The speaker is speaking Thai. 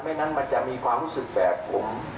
นั้นมันจะมีความรู้สึกแบบผม